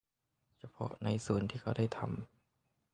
เฉพาะในส่วนที่เขาได้ทำ